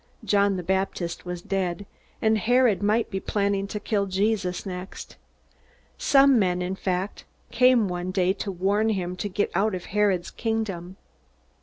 John the Baptist was dead, and Herod might be planning to kill Jesus next. Some men, in fact, came one day to warn him to get out of Herod's kingdom.